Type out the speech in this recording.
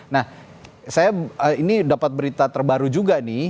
nah saya ini dapat berita terbaru juga nih